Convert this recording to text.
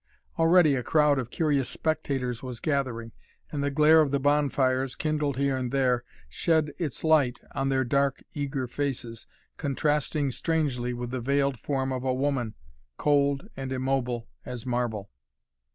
Already a crowd of curious spectators was gathering, and the glare of the bonfires, kindled here and there, shed its light on their dark, eager faces, contrasting strangely with the veiled form of a woman, cold and immobile as marble.